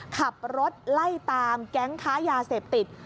ขับรถไล่ตามแก๊งค้ายาเสพติด